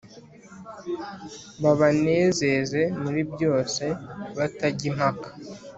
babanezeze muri byose batajya impaka